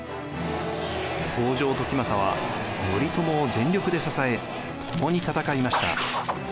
北条時政は頼朝を全力で支え共に戦いました。